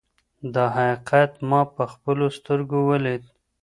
دا حقیقت ما په خپلو سترګو ولید.